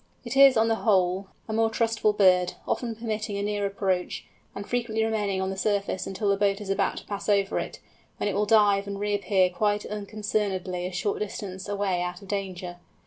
It is, on the whole, a more trustful bird, often permitting a near approach, and frequently remaining on the surface until the boat is about to pass over it, when it will dive and reappear quite unconcernedly a short distance away out of danger.